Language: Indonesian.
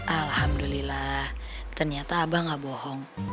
alhamdulillah ternyata abah gak bohong